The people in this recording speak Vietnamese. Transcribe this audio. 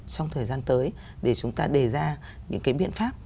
trong thời gian tới để chúng ta đề ra những cái biện pháp